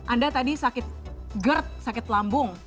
anda tadi sakit gerd sakit lambung